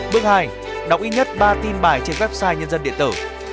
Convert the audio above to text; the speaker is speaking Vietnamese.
bước hai đọc ít nhất ba tin bài trên website nhân dân điện tử